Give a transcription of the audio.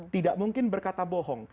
tidak mungkin berkata bohong